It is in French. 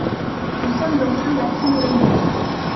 Nous sommes en train d'apprendre l'anglais.